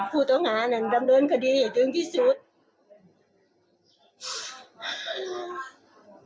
ผู้ต้องหานั้นดำเนินคดีให้ถึงที่สุด